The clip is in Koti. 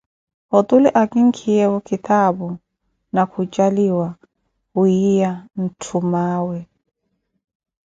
Othule akinkiyeeyo kithaapu, na ku kijaaliwa wiiya nthuume awe.